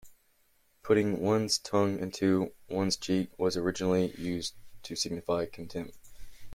Putting one's tongue into one's cheek was originally used to signify contempt.